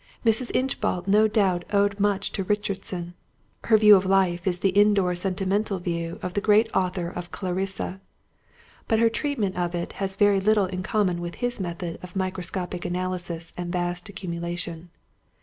Mrs. Inchbald no doubt owed much to Richardson; her view of life is the indoor sentimental view of the great author of Clarissa; but her treatment of it has very little in common with his method of microscopic analysis and vast accumulation.